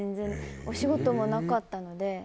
お仕事もなかったので。